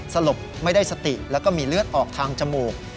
สลบไม่ได้สติแล้วก็มีเลือดออกทางจมูก